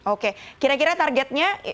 oke kira kira targetnya